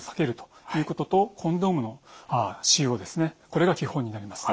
これが基本になります。